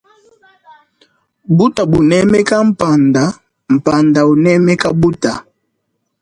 Buta bunemeka panda panda unemeka buta.